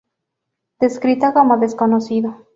Descrita como "desconocido".